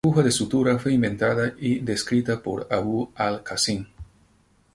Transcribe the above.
La aguja de sutura fue inventada y descrita por Abu al-Qasim.